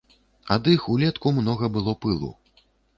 Ад іх улетку многа было пылу.